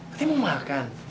nanti mau makan